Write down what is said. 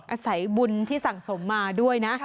อาศัยบุญที่สั่งสมมาด้วยนะ